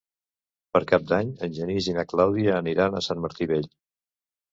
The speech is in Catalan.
Per Cap d'Any en Genís i na Clàudia aniran a Sant Martí Vell.